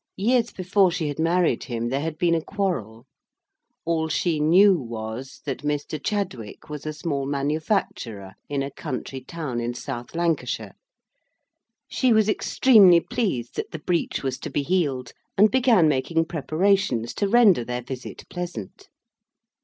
Years before she had married him, there had been a quarrel. All she knew was, that Mr. Chadwick was a small manufacturer in a country town in South Lancashire. She was extremely pleased that the breach was to be healed, and began making preparations to render their visit pleasant.